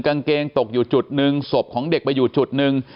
กางเกงตกอยู่จุดหนึ่งศพของเด็กไปอยู่จุดหนึ่ง